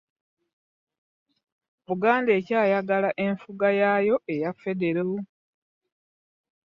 Buganda ekyayagala nfuga yaayo eya federo.